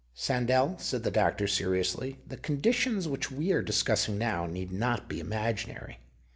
" Sandell," said the doctor, seriously, " the conditions which we are discussing now need not be imaginary.